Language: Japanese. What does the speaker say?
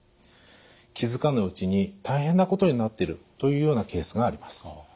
気付かぬうちに大変なことになってるというようなケースがあります。